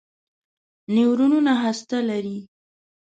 نیورونونه هسته لري.